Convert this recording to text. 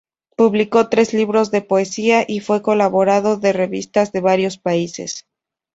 Publicó tres libros de poesía y fue colaborador de revistas de varios países.